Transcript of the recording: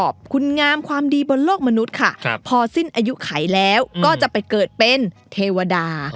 บนโลกมนุษย์ค่ะพอสิ้นอายุไขแล้วก็จะไปเกิดเป็นเทวดา